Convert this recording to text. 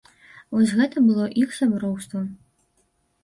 Вось гэта было іх сяброўствам.